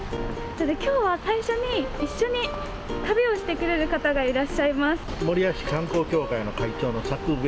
今日は最初に一緒に旅をしてくれる方がいらっしゃいます。